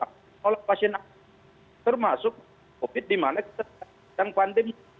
kalau pasien covid sembilan belas termasuk covid sembilan belas di mana kita tetap dan pandemi